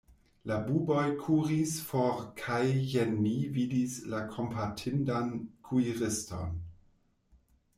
La buboj kuris for kaj jen mi vidis la kompatindan kuiriston.